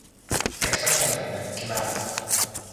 _Exactamente, nada.